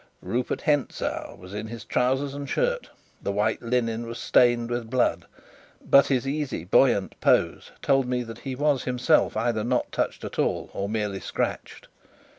Rupert Hentzau was in his trousers and shirt; the white linen was stained with blood, but his easy, buoyant pose told me that he was himself either not touched at all or merely scratched.